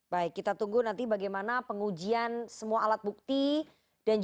baik kita tunggu nanti bagaimana pengujian semua alat bukti dan juga kesaksian di persidangan